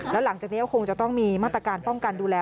แล้วหลังจากนี้ก็คงจะต้องมีมาตรการป้องกันดูแล